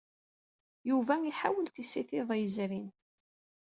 Yuba iḥawel tisit iḍ yezrin.